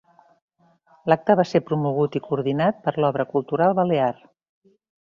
L'acte va ser promogut i coordinat per l'Obra Cultural Balear.